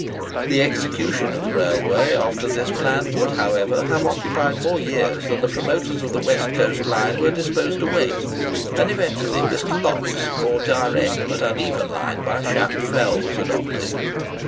The execution of the railway after this plan would, however, have occupied more years than the promoters of the West Coast line were disposed to wait; and eventually Mr. Locke's more direct but uneven line by Shap Fell was adopted.